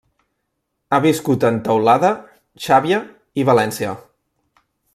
Ha viscut en Teulada, Xàbia i València.